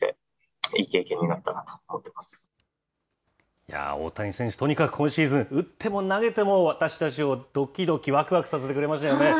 いやあ、大谷選手、とにかく今シーズン、打っても投げても、私たちをどきどきわくわくさせてくれましたよね。